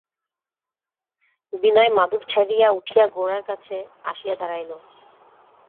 বিনয় মাদুর ছাড়িয়া উঠিয়া গোরার কাছে আসিয়া দাঁড়াইল।